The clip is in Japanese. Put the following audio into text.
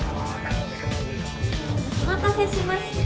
お待たせしました。